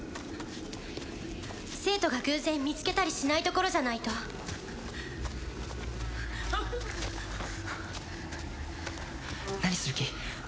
生徒が偶然見つけたりしない所じゃないとあっ何する気？